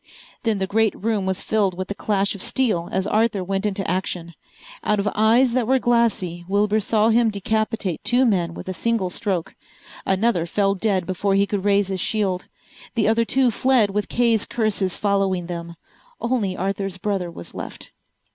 Then the great room was filled with the clash of steel as Arthur went into action. Out of eyes that were glassy Wilbur saw him decapitate two men with a single stroke. Another fell dead before he could raise his shield. The other two fled with Kay's curses following them. Only Arthur's brother was left.